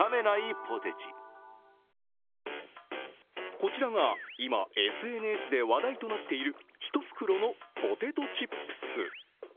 こちらが、今、ＳＮＳで話題となっている１袋のポテトチップス。